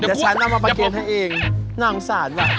เดี๋ยวฉันเอามาประเกณฑ์ให้เองน่าอุตส่าห์จริงว่ะ